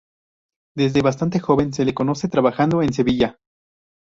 Desde bastante joven se le conoce trabajando en Sevilla.